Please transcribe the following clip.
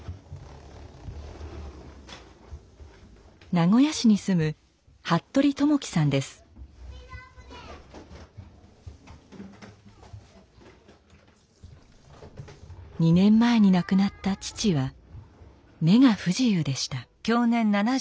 名古屋市に住む２年前に亡くなった父は目が不自由でした。